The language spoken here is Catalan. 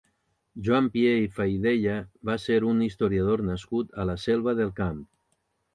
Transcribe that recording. Joan Pié i Faidella va ser un historiador nascut a la Selva del Camp.